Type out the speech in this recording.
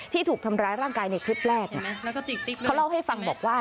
ถูกทำร้ายร่างกายในคลิปแรกเขาเล่าให้ฟังบอกว่า